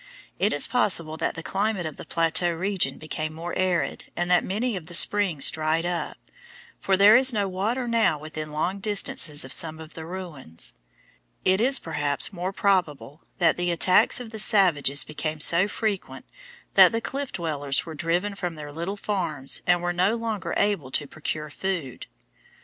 It is possible that the climate of the plateau region became more arid and that many of the springs dried up, for there is no water now within long distances of some of the ruins. It is, perhaps, more probable that the attacks of the savages became so frequent that the Cliff Dwellers were driven from their little farms and were no longer able to procure food.